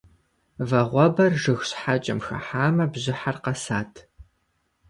Вагъуэбэр жыг щхьэкӏэм хыхьамэ бжьыхьэр къэсат.